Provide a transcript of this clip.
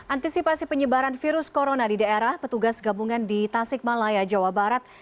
antisipasi penyebaran virus corona di daerah petugas gabungan di tasik malaya jawa barat